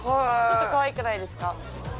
ちょっと可愛くないですか？